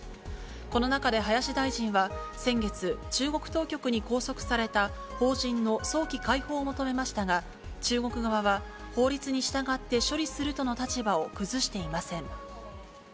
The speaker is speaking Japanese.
この中で林大臣は、先月、中国当局に拘束された邦人の早期解放を求めましたが、中国側は法律に従って処理するとの立場を崩していません。